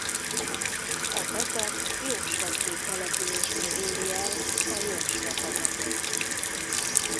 A patak Jósvafő településnél éri el a Jósva-patakot.